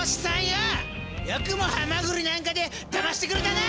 よくもハマグリなんかでだましてくれたな！